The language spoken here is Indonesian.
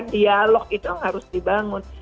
dialog itu harus dibangun